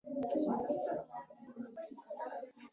هېڅ تور پوستي حق نه درلود چې ځمکه ولري.